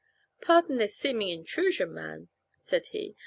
"Pardon this seeming intrusion, ma'am," said he.